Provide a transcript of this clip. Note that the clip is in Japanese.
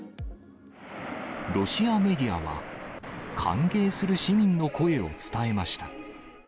ロシアメディアは、歓迎する市民の声を伝えました。